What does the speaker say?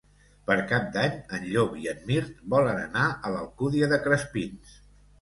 Per Cap d'Any en Llop i en Mirt volen anar a l'Alcúdia de Crespins.